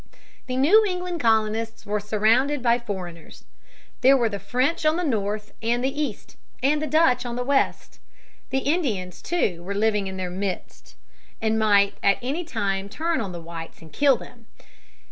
The New England colonists were surrounded by foreigners. There were the French on the north and the east, and the Dutch on the west. The Indians, too, were living in their midst and might at any time turn on the whites and kill them.